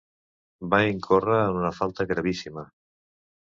Va incórrer en una falta gravíssima.